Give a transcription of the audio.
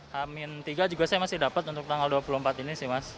hamin tiga juga saya masih dapat untuk tanggal dua puluh empat ini sih mas